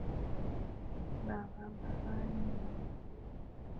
Barabara hii ni ndefu